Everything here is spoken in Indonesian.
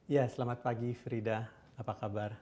ya selamat pagi frida apa kabar